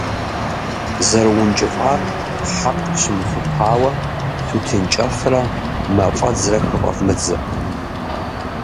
ЗэрыункӀыфӀар хьэкъ фщымыхъупауэ тутын кӀэфрэ мафӀэдзрэ хыфӀэвмыдзэ.